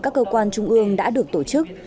các cơ quan trung ương đã được tổ chức